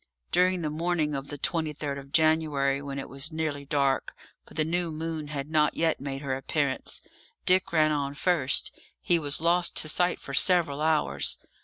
During the morning of the 23rd of January, when it was nearly dark, for the new moon had not yet made her appearance, Dick ran on first; he was lost to sight for several hours.